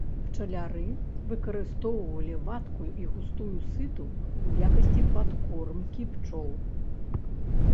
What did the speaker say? Пчаляры выкарыстоўвалі вадкую і густую сыту ў якасці падкормкі пчол.